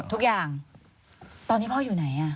ตอนนี้พ่ออยู่ไหนอะ